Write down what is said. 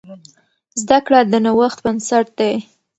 زده کړه د نوښت بنسټ دی.